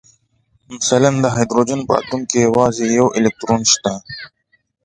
مثلاً د هایدروجن په اتوم کې یوازې یو الکترون شته